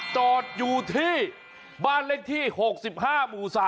จอดอยู่ที่บ้านเลขที่๖๕หมู่๓